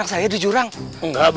aku akan menganggap